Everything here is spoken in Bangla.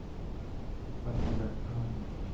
আপনি ব্যর্থ হননি।